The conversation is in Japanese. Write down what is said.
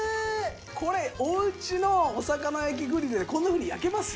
これおうちのお魚焼きグリルでこんなふうに焼けます？